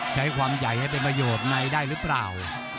ใช้ความใหญ่ให้เป็นประโยชน์ในได้หรือเปล่า